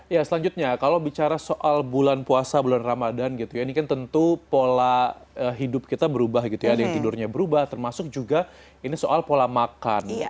ya selanjutnya kalau bicara soal bulan puasa bulan ramadhan gitu ya ini kan tentu pola hidup kita berubah gitu ya ada yang tidurnya berubah termasuk juga ini soal pola makan